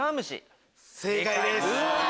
正解です。